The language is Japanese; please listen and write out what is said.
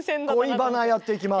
「恋バナ」やっていきます。